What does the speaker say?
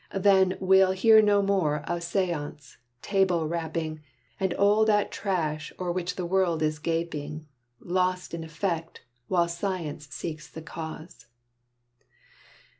Then We'll hear no more of seance, table rapping, And all that trash, o'er which the world is gaping, Lost in effect, while science seeks the cause.